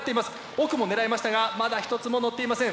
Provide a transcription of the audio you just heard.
奥も狙いましたがまだ一つものっていません。